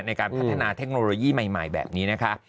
ในการพัฒนาเทคโนโลยีใหม่แบบนี้นะคะ